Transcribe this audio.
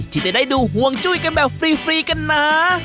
ที่จะได้ดูห่วงจุ้ยกันแบบฟรีกันนะ